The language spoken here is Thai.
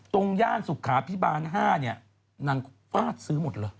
ย่านสุขาพิบาล๕เนี่ยนางฟาดซื้อหมดเลย